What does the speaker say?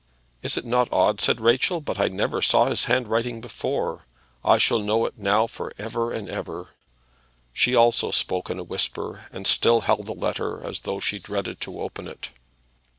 "Is it not odd," said Rachel, "but I never saw his handwriting before? I shall know it now for ever and ever." She also spoke in a whisper, and still held the letter as though she dreaded to open it.